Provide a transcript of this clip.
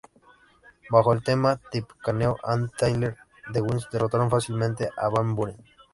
Bajo el lema ""Tippecanoe and Tyler, too"", los whigs derrotaron fácilmente a Van Buren.